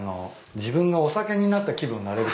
自分がお酒になった気分になれるかもね。